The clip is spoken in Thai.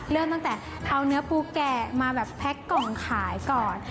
เริ่มตั้งแต่เอาเนื้อปูแกะมาแบบแพ็กกล่องขายก่อน